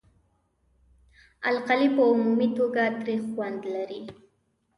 القلي په عمومي توګه تریخ خوند لري.